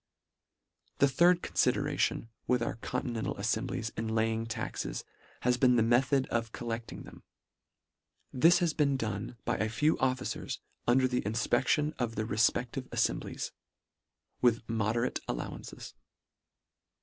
The third confideration with our conti nental aifemblies in laying taxes has been the method of collecting them. This has been done by a few officers under the infpec tion of the refpeftive aifemblies, with mode rate allowances.